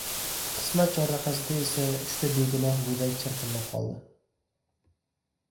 Qismat chorrahasida esa uchta begunoh go‘dak chirqillab qoldi.